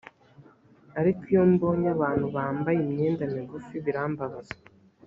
ariko iyo mbonye abantu bambaye imyenda migufi birambabaza